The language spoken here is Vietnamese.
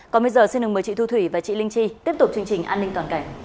còn bây giờ xin mời chị thu thủy và chị linh chi tiếp tục chương trình an ninh toàn cảnh